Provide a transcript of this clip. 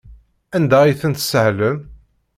Anda ay ten-tessahlem?